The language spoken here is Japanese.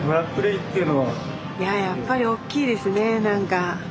やっぱり大きいですね何か。